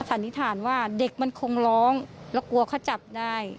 สันนิษฐานว่าเด็กมันคงร้องแล้วกลัวเขาจับได้